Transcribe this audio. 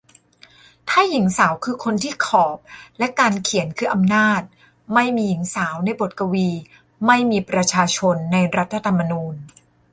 ถ้า หญิงสาว คือ คนที่ขอบ และ การเขียน คือ อำนาจ. ไม่มีหญิงสาวในบทกวี. ไม่มีประชาชนในรัฐธรรมนูญ.